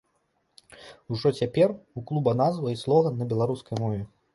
Ужо цяпер у клуба назва і слоган на беларускай мове.